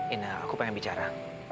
indah aku pengen bicara